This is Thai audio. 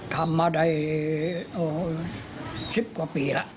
ทำมาได้๑๐กว่าปีแล้ว